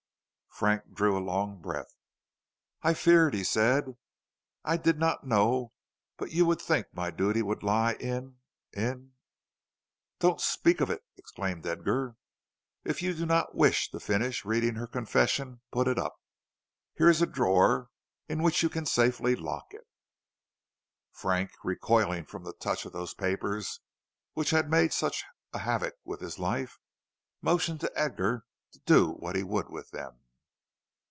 Frank drew a long breath. "I feared," he said, "I did not know but you would think my duty would lie in in " "Don't speak of it," exclaimed Edgar. "If you do not wish to finish reading her confession, put it up. Here is a drawer, in which you can safely lock it." Frank, recoiling from the touch of those papers which had made such a havoc with his life, motioned to Edgar to do what he would with them.